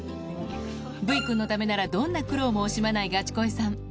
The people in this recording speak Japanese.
ブイくんのためならどんな苦労も惜しまないガチ恋さん